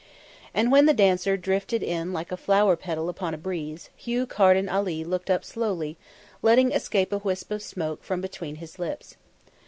And when the dancer drifted in like a flower petal upon a breeze, Hugh Carden Ali looked up slowly, letting escape a wisp of smoke from between his lips.